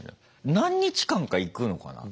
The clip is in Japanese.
何日間か行くのかな？